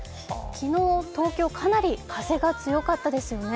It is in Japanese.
昨日、東京かなり風が強かったですよね。